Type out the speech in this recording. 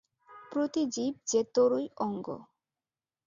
প্রতি জীব যে তোরই অঙ্গ।